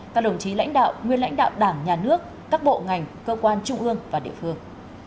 các đồng chí lãnh đạo nguyên lãnh đạo đảng nhà nước các bộ ngành cơ quan trung ương và địa phương